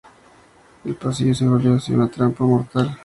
El pasillo se volvió así una trampa mortal.